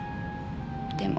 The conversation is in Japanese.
でも。